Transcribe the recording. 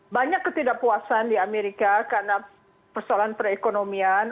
banyak ketidakpuasan di amerika karena persoalan perekonomian